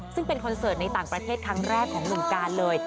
ซึ่งเป็นคอนเสิร์ตในต่างประเทศครั้งแรกของหนุ่มการเลย